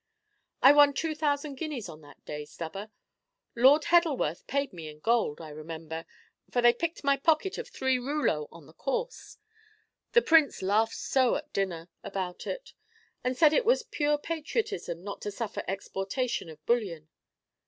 "I won two thousand guineas on that day, Stubber. Lord Heddleworth paid me in gold, I remember; for they picked my pocket of three rouleaux on the course. The Prince laughed so at dinner about it, and said it was pure patriotism not to suffer exportation of bullion.